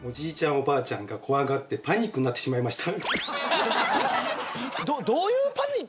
おばあちゃんが怖がってパニックになってしまいました。